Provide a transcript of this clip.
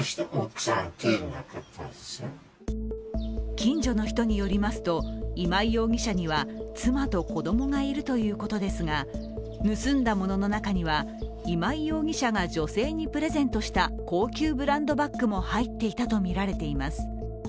近所の人によりますと今井容疑者には妻と子供がいるということですが、盗んだものの中には、今井容疑者が女性にプレゼントした高級ブランドバッグなども入っていたとみられています。